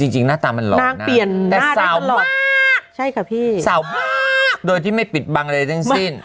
จริงหน้าตามันหลอกน่ะแต่สาวมากโดยที่ไม่ปิดบังใดทั้งสิ้น